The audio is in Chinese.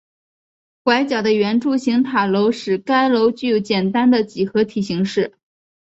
拐角的圆柱形塔楼使该楼具有简单的几何体形式。